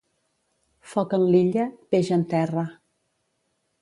Foc en l'Illa, peix en terra.